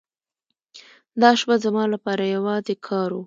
دا شپه زما لپاره یوازې کار و.